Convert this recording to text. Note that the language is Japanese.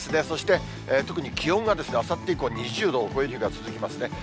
そして、特に気温が、あさって以降、２０度を超える日が続きますね。